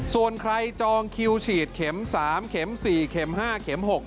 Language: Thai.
ส่วนใครจองคิวฉีดเข็ม๓เข็ม๔เข็ม๕เข็ม๖